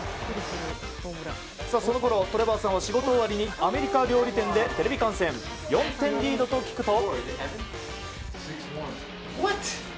そのころ、トレバーさんは仕事終わりにアメリカ料理店でテレビ観戦、４点リードと聞くと。